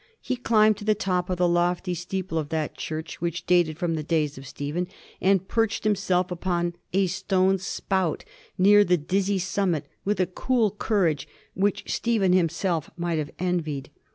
He climbed to the top of the lofty steeple of that church, which dated from the days of Stephen, and perched him self upon a stone spout near tlie dizzy summit with a cool courage which Stephen himself might have envied.